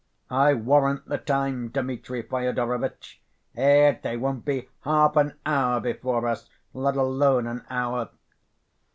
"I warrant the time, Dmitri Fyodorovitch. Ech, they won't be half an hour before us, let alone an hour."